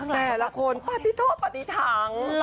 แต่ละคนปะติดโทดปะติดทาง